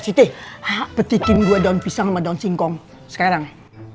siti petikin gue daun pisang sama daun singkong sekarang